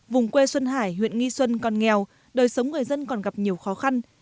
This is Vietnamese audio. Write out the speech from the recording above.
vùng quê xuân hải huyện nghi xuân còn nghèo đời sống người dân còn gặp nhiều khó khăn